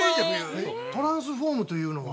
◆トランスフォームというのは？